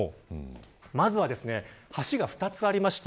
まずは橋が２つあります。